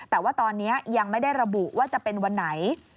แต่ว่าตอนนี้ยังไม่ได้ระบุว่าจะเป็นวันไหน